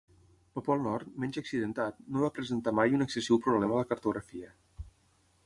El Pol Nord, menys accidentat, no va presentar mai un excessiu problema a la cartografia.